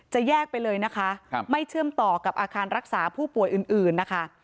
แยกไปเลยนะคะไม่เชื่อมต่อกับอาคารรักษาผู้ป่วยอื่นนะคะ